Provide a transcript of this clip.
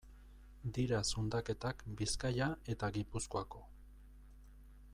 Dira zundaketak Bizkaia eta Gipuzkoako.